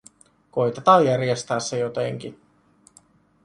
Koitetaan järjestää se jotenkin.